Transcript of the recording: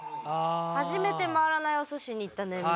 初めて回らないお寿司に行った年齢。